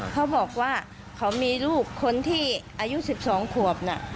เขาบอกว่าเขามีลูกคนที่อายุ๑๒ขวบน่ะ